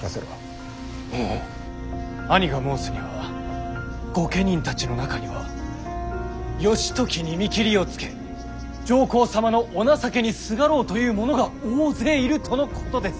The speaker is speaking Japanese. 兄が申すには御家人たちの中には義時に見切りをつけ上皇様のお情けにすがろうという者が大勢いるとのことです。